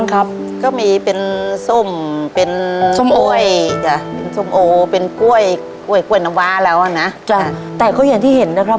ทับผลไม้เยอะเห็นยายบ่นบอกว่าเป็นยังไงครับ